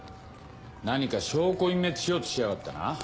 何か証拠隠滅しようとしやがったな。